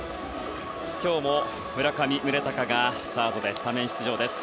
今日も村上宗隆がサードでスタメン出場です。